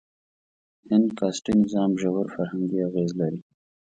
هند کاسټي نظام ژور فرهنګي اغېز لري.